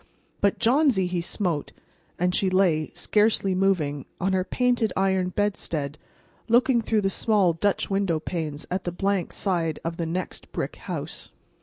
But Johnsy he smote; and she lay, scarcely moving, on her painted iron bedstead, looking through the small Dutch window panes at the blank side of the next brick house.